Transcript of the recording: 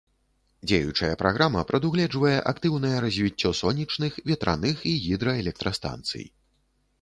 Дзеючая праграма прадугледжвае актыўнае развіццё сонечных, ветраных і гідраэлектрастанцый.